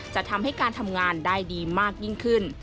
จะทำให้การทำงานได้ดีมากยิ่งขึ้น